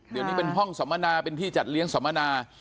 เดี๋ยวนี้เป็นห้องสัมมนาเป็นที่จัดเลี้ยงสัมมนา